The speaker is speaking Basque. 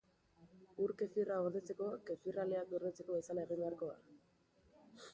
Ur-Kefirra gordetzeko, kefir aleak gordetzeko bezala egin beharko da.